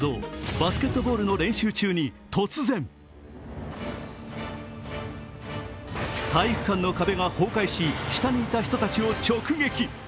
バスケットボールの練習中に突然体育館の壁が崩壊し下にいた人たちを直撃。